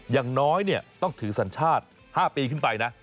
อย่างน้อยต้องถือสัญชาติ๕ปีขึ้นไปนะ